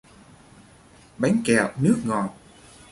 Bánh kẹo nước ngọt